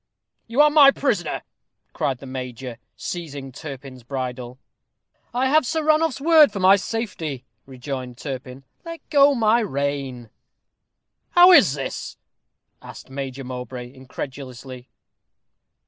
"You are my prisoner," cried the major, seizing Turpin's bridle. "I have Sir Ranulph's word for my safety," rejoined Turpin. "Let go my rein." "How is this?" asked Major Mowbray, incredulously.